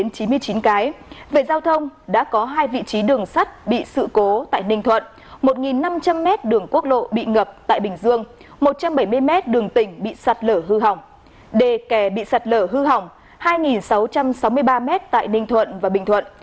về giao thông đã có hai vị trí đường sắt bị sự cố tại ninh thuận một năm trăm linh m đường quốc lộ bị ngập tại bình dương một trăm bảy mươi mét đường tỉnh bị sạt lở hư hỏng đề kè bị sạt lở hư hỏng hai sáu trăm sáu mươi ba m tại ninh thuận và bình thuận